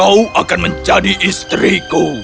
dan kau akan menjadi istriku